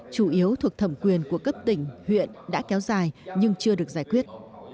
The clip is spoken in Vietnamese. chủ yếu thuộc thẩm quyền của cấp tỉnh huyện đã kéo dài nhưng chưa được giải quyết